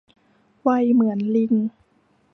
ไวเหมือนลิง